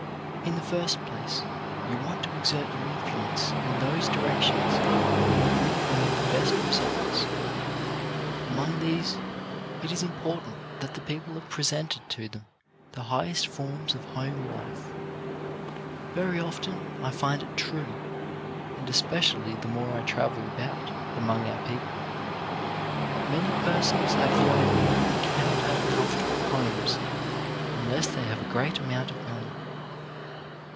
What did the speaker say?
In the first place you want to exert your in fluence in those directions that will bring about the best results ; among these it is important that the people have presented to them the highest forms of home life. 81 Sk/Lrf 82 CHARACTER BUILDING Very often I find it true — and especially the more I travel about among our people — that many persons have the idea that they cannot have comfortable homes unless they have a great amount of money.